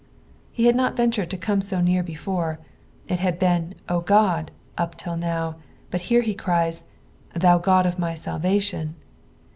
He had not ventured to come eo near before. It hod been, " 0 Ood," up till now, but here he criea, " Thou God of my tal^ation."